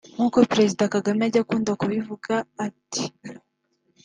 nk’uko Perezida Kagame ajya akunda kubivuga ati